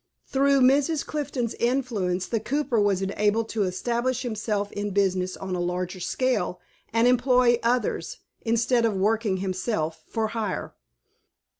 Through Mrs. Clifton's influence the cooper was enabled to establish himself in business on a larger scale, and employ others, instead of working himself, for hire.